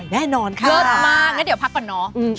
เซ็ดเรียน